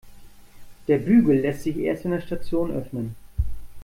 Der Bügel lässt sich erst in der Station öffnen.